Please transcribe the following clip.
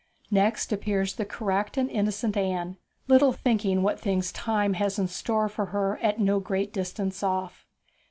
Next appears the correct and innocent Anne, little thinking what things Time has in store for her at no great distance off.